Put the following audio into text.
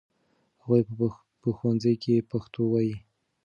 هغوی په ښوونځي کې پښتو وايي.